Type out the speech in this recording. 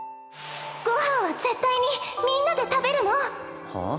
ご飯は絶対にみんなで食べるのはあ？